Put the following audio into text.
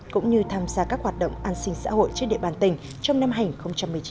cũng như tham gia các hoạt động an sinh xã hội trên địa bàn tỉnh trong năm hành một mươi chín